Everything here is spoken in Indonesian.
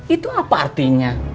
itu apa artinya